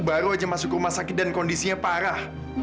baru aja masuk rumah sakit dan kondisinya parah